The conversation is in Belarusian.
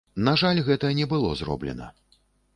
На жаль, гэта не было зроблена.